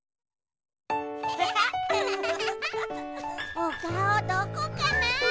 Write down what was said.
おかおどこかな？